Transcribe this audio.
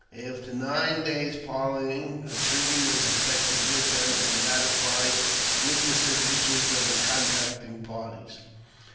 After nine days' parleying, a treaty was effected with them, and ratified with the signatures of the contracting parties.